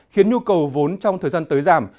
khiến nhu cầu vốn trong thời gian tới giảm